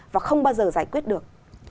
và không bao giờ giải quyết được